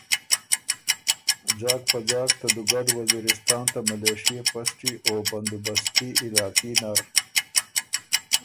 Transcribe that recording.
ځاک په ځاک ته دُوګډ وزیرستان ته ملېشئے پسټی او بندوبستي علاقي نر